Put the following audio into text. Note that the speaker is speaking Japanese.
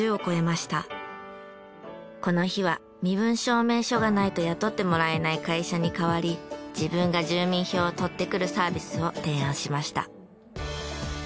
この日は身分証明書がないと雇ってもらえない会社に代わり自分が住民票を取ってくるサービスを提案しました。